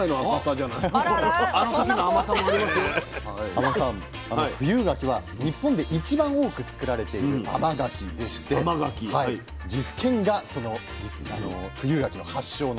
天野さん富有柿は日本で一番多く作られている甘柿でして岐阜県がその富有柿の発祥の。